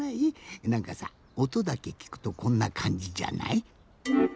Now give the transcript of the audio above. なんかさおとだけきくとこんなかんじじゃない？